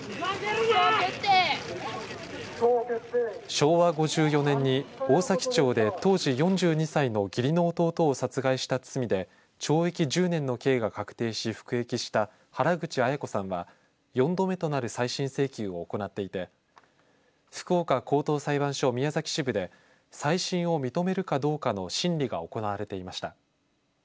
昭和５４年に大崎町で当時４２歳の義理の弟を殺害した罪で懲役１０年の刑が確定し服役した原口アヤ子さんは４度目となる再審請求を行っていて福岡高等裁判所宮崎支部で再審を認めるかどうかの審理が行われていました。